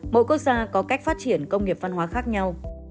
mỗi quốc gia có cách phát triển công nghiệp văn hóa khác nhau